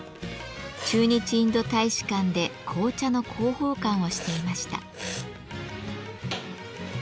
駐日インド大使館で紅茶の広報官をしていました。